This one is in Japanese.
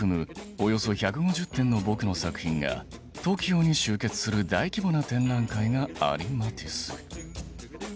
およそ１５０点の僕の作品がトキオに集結する大規模な展覧会がありマティス。